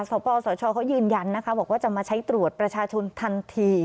ส่อปสรชเค้ายืนยันว่าจะมาใช้ตรวจปชาชนทันที